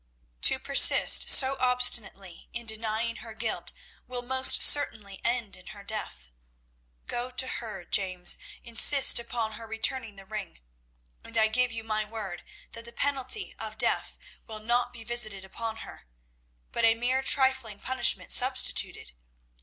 To persist so obstinately in denying her guilt will most certainly end in her death. Go to her, James; insist upon her returning the ring, and I give you my word that the penalty of death will not be visited upon her, but a mere trifling punishment substituted.